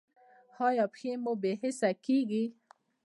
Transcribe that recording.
ایا پښې مو بې حسه کیږي؟